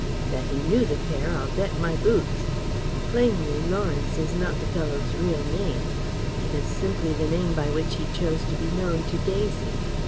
That he knew the pair I'll bet my boots. Plainly, Lawrence is not the fellow's real name; it is simply the name by which he chose to be known to Daisy.